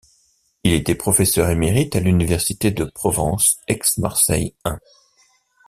Il était professeur émérite à l’Université de Provence, Aix-Marseille-I.